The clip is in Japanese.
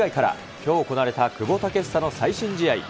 きょう行われた久保建英の最新試合。